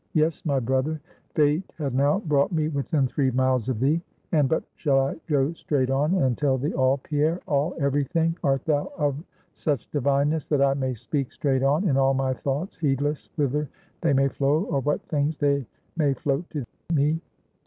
"Yes, my brother, Fate had now brought me within three miles of thee; and but shall I go straight on, and tell thee all, Pierre? all? every thing? art thou of such divineness, that I may speak straight on, in all my thoughts, heedless whither they may flow, or what things they may float to me?"